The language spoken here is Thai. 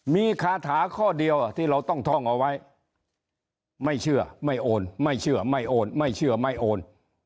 มีคาถาข้อเดียวที่เราต้องท่องเอาไว้ไม่เชื่อไม่โอนไม่เชื่อไม่โอนไม่เชื่อไม่โอน